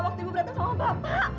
waktu ibu berantem sama bapak